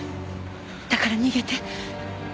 だから逃げて。